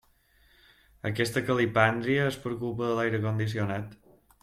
Aquesta calipàndria és per culpa de l'aire condicionat.